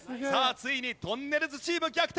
ついにとんねるずチーム逆転！